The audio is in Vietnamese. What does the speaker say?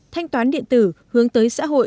thanh toán điện tử hướng tới xã hội